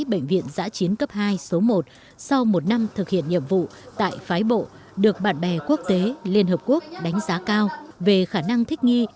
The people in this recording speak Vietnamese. bệnh viện giã chiến cấp hai số một sau một năm thực hiện nhiệm vụ tại phái bộ được bạn bè quốc tế liên hợp quốc đánh giá cao về khả năng thích nghi